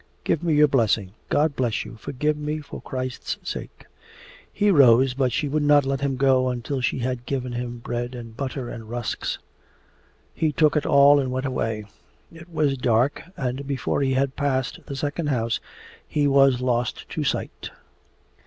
'Give me your blessing.' 'God bless you! Forgive me for Christ's sake!' He rose, but she would not let him go until she had given him bread and butter and rusks. He took it all and went away. It was dark, and before he had passed the second house he was lost to sight.